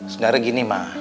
sedara gini ma